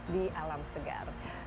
di alam segar